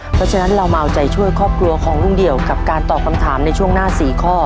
เพราะฉะนั้นเรามาเอาใจช่วยครอบครัวของลุงเดี่ยวกับการตอบคำถามในช่วงหน้า๔ข้อ